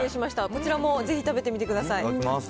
こちらもぜひ食べてみてくださいいただきます。